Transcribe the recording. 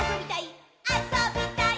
あそびたい！